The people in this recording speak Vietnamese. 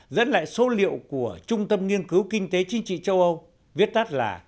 dẫn lại số liệu của trung tâm nghiên cứu kinh tế chính trị châu âu